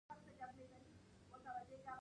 آیا دا توکي روغتیا ته زیان لري؟